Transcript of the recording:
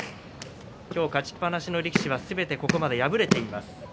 今日勝ちっぱなしの力士はすべてここまで敗れています。